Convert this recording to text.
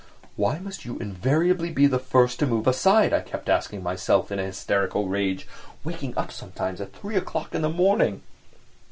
"Why must you invariably be the first to move aside?" I kept asking myself in hysterical rage, waking up sometimes at three o'clock in the morning.